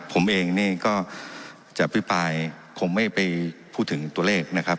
ผมเองนี่ก็จะอภิปรายคงไม่ไปพูดถึงตัวเลขนะครับ